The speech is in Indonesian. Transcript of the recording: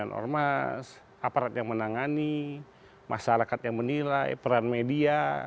apalagi pimpinan orang masa aparat yang menangani masyarakat yang menilai peran media